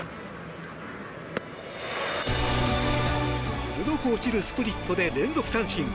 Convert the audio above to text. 鋭く落ちるスプリットで連続三振。